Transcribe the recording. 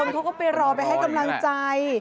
นี่แหละคนเพิ่งไปรอให้กำลังใจ